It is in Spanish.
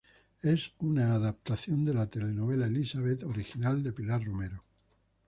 Es una adaptación de la telenovela "Elizabeth" original de Pilar Romero.